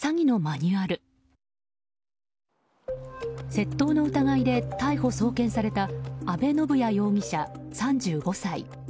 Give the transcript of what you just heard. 窃盗の疑いで逮捕・送検された阿部修也容疑者、３５歳。